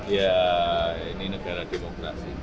ya ini negara demokrasi